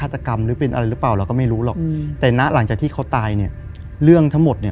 แต่ละหลังที่เขาตายเนี่ยเรื่องทั้งหมดเนี่ย